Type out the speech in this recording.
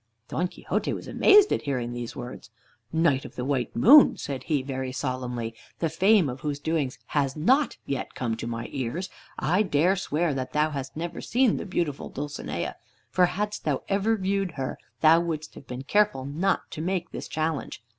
Don Quixote was amazed at hearing these words. "Knight of the White Moon," said he very solemnly, "the fame of whose doings has not yet come to my ears, I dare swear that thou hast never seen the beautiful Dulcinea, for hadst thou ever viewed her, thou wouldst have been careful not to make this challenge.